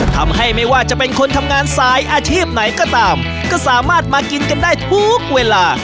ทำให้ไม่ว่าจะเป็นคนทำงานสายอาชีพไหนก็ตามก็สามารถมากินกันได้ทุกเวลา